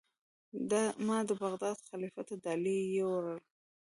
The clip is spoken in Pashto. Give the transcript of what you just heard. ما د بغداد خلیفه ته ډالۍ یووړه.